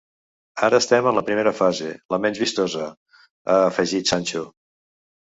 Ara estem en la primera fase, la menys vistosa –ha afegit Sancho–.